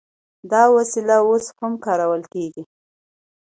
دا وسله اوس هم کارول کیږي.